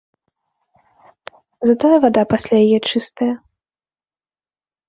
Затое вада пасля яе чыстая.